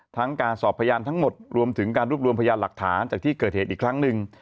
การสอบพยานทั้งหมดรวมถึงการรวบรวมพยานหลักฐานจากที่เกิดเหตุอีกครั้งหนึ่ง